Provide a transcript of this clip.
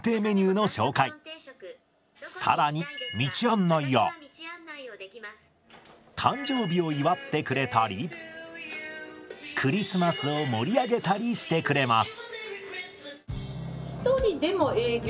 更に道案内や誕生日を祝ってくれたりクリスマスを盛り上げたりしてくれます。